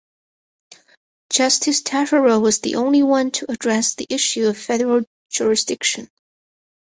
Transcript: Justice Taschereau was the only one to address the issue of federal jurisdiction.